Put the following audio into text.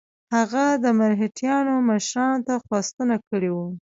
هغه د مرهټیانو مشرانو ته خواستونه کړي وه.